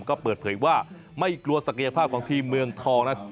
ก็เปิดเผยว่าไม่กลัวศักยภาพของทีมเมืองทองนั้น